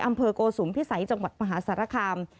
อำเภอกโกสุมพิสัยจังหวัดมหาศรษฐรคาม